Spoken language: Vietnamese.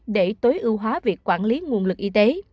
để tối ưu hóa việc quản lý nguồn lực y tế